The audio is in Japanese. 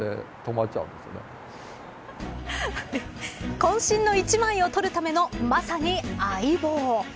こん身の一枚を取るためのまさに相棒。